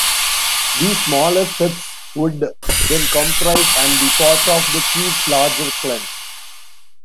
These smaller septs would then comprise, and be part of, the chief's larger clan.